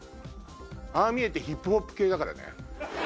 ああ見えてヒップホップ系だからね。